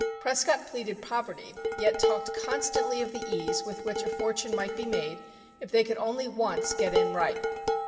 Prescott pleaded poverty, yet talked constantly of the ease with which a fortune might be made if they could only once "get in right."